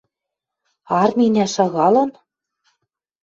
Арминӓ шагалын?»